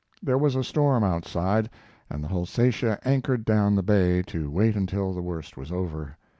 There was a storm outside, and the Holsatia anchored down the bay to wait until the worst was over.